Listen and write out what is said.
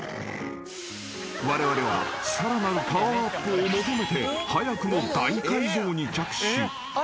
［われわれはさらなるパワーアップを求めて早くも大改造に着手］